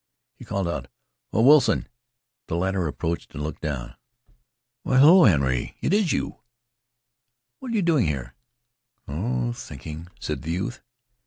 He called out, "Oh, Wilson!" The latter approached and looked down. "Why, hello, Henry; is it you? What you doing here?" "Oh, thinking," said the youth.